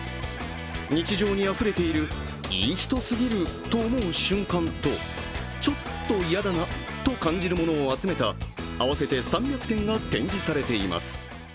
日常にあふれているいい人すぎると思う瞬間とちょっと嫌だなと感じるものを集めた、合わせて３００点が展示されています。